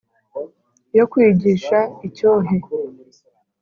Yo kwigisha icyohe